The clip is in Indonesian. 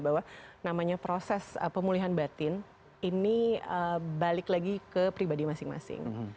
bahwa namanya proses pemulihan batin ini balik lagi ke pribadi masing masing